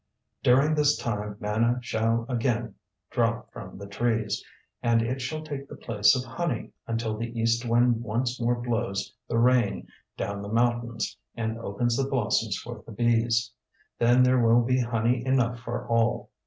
During this time manna shall again drop from the trees, and it shall take the place of honey until the east wind once more blows the rain down the mountains and opens the blossoms for the bees. Then there will be honey enough for all.